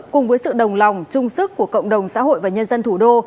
cùng với sự đồng lòng trung sức của cộng đồng xã hội và nhân dân thủ đô